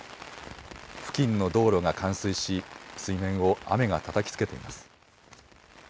付近の道路が冠水し水面を雨がたたきつけています。